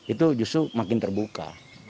itu justru makin terbuka